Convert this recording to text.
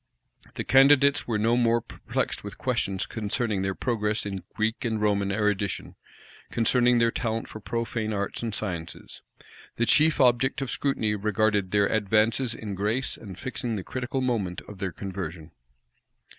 The candidates were no more perplexed with questions concerning their progress in Greek and Roman erudition; concerning their talent for profane arts and sciences: the chief object of scrutiny regarded their advances in grace, and fixing the critical moment of their conversion.